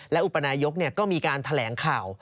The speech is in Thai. และอุปนายกก็มีการแถลงข่าว